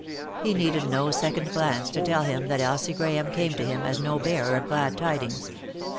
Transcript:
He needed no second glance to tell him that Elsie Grahame came to him as no bearer of glad tidings.